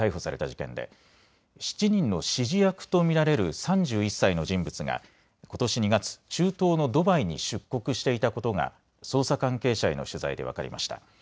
事件で７人の指示役と見られる３１歳の人物がことし２月、中東のドバイに出国していたことが捜査関係者への取材で分かりました。